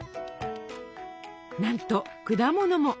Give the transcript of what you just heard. なんと果物も。